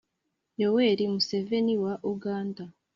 Yoweri Museveni wa Uganda